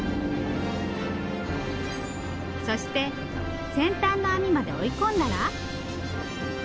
そして先端の網まで追い込んだら。